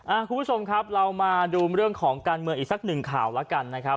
คุณผู้ชมครับเรามาดูเรื่องของการเมืองอีกสักหนึ่งข่าวแล้วกันนะครับ